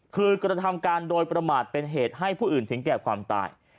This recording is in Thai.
คือกระทำการโดยประมาทเป็นเหตุให้ผู้อื่นถึงแก่ความตาย